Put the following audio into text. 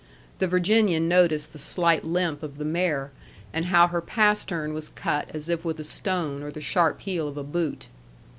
The Virginian noticed the slight limp of the mare, and how her pastern was cut as if with a stone or the sharp heel of a boot.